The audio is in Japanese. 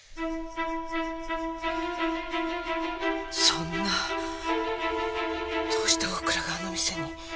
そんなどうして大倉があの店に？